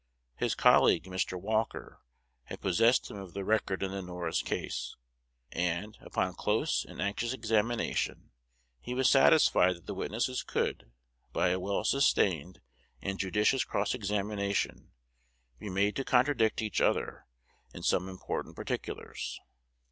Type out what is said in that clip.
His colleague, Mr. Walker, had possessed him of the record in the Norris case; and, upon close and anxious examination, he was satisfied that the witnesses could, by a well sustained and judicious cross examination, be made to contradict each other in some important particulars.